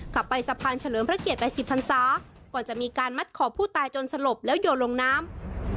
ขับไปสะพานเฉลิมพระเกียร๘๐พันศาก่อนจะมีการมัดขอผู้ตายจนสลบแล้วโยนลงน้ำ